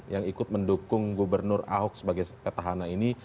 yang ikut mendukung gubernur ahok sebagai petahana ini